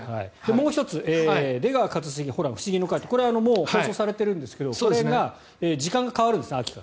もう１つ「出川一茂ホラン☆フシギの会」これは放送されているんですがこれが時間が変わるんですね。